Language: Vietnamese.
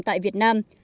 tại việt nam